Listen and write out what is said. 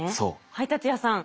配達屋さん。